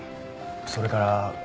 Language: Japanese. それから。